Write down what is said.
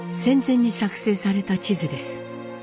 戦前に作成された地図です。